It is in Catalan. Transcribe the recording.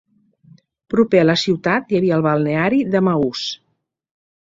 Proper a la ciutat hi havia el balneari d'Emmaús.